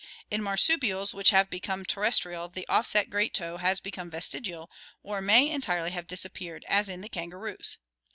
In marsupials which have become terrestrial the offset great toe has become vestigial or may entirely have disap peared, as in the kangaroos (see Fig.